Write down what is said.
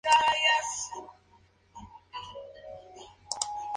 Un colegio de Tourcoing, y una calle de Ruan llevan su nombre.